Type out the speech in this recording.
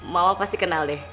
mama pasti kenal deh